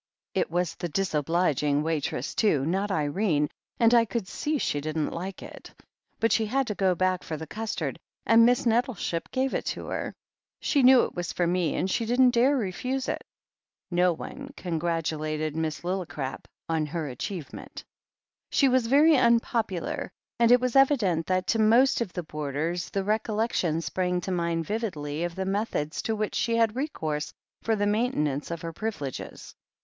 It was the disobliging waitress, too, not Irene, and I could see she didn't like it. But she had to go back for the custard, and Miss Nettleship gave it to her. She knew it was for me, and she didn't dare to refuse it." No one congratulated Miss Lillicrap on her achieve ment. She was very unpopular, and it was evident that to most of the boarders the recollection sprang to mind vividly of the methods to which she had recourse for the maintenance of her privileges.